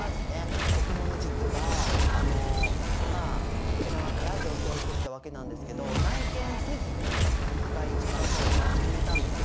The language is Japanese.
僕もね実はあの沖縄から上京してきたわけなんですけど内見せずに一回一番最初のおうち決めたんですよ。